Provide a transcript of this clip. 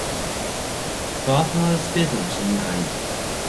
パーソナルスペースの侵害